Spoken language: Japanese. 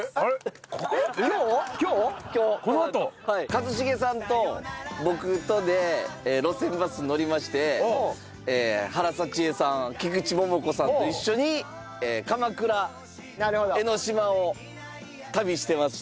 一茂さんと僕とで路線バスに乗りまして原沙知絵さん菊池桃子さんと一緒に鎌倉江の島を旅してまして。